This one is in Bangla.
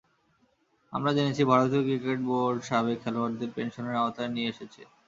আমরা জেনেছি ভারতীয় ক্রিকেট বোর্ড সাবেক খেলোয়াড়দের পেনশনের আওতায় নিয়ে এসেছে।